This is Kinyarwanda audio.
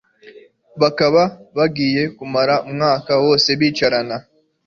bakaba bagiye kumara umwaka wose bicarana!